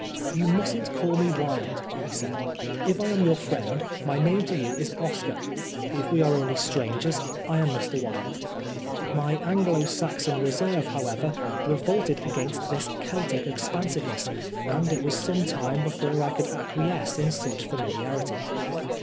"You mustn't call me Wilde," he said. " If I am your friend, my name to you is Oscar. If we are only strangers, I am Mr. Wilde." My Anglo Saxon reserve, however, re volted against this Celtic expansiveness, and it was some time before I could acquiesce in such familiarity.